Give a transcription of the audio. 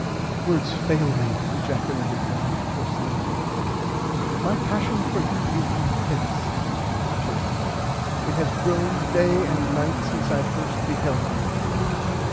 Words fail me ejaculated Bernard horsly my passion for you is intense he added fervently. It has grown day and night since I first beheld you.